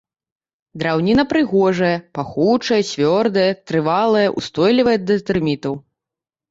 Драўніна прыгожая, пахучая, цвёрдая, трывалая, устойлівая да тэрмітаў.